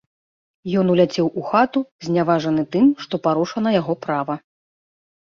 Ён уляцеў у хату, зняважаны тым, што парушана яго права.